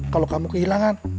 kalau kamu kehilangan